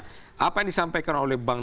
korupsi nah apa yang disampaikan oleh bang